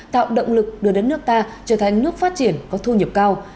tạo động lực đưa đất nước ta trở thành nước phát triển có thu nhập cao